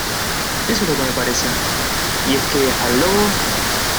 eso es lo que me parece. y es que, al lobo ,